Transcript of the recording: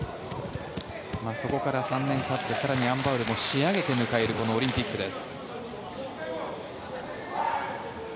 そこから３年たって更にアン・バウルも仕上げて迎えるこのオリンピックです。